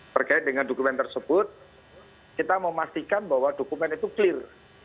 berkait dengan dokumen tersebut kita memastikan bahwa dokumen itu clear